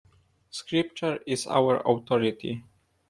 Scripture is our authority.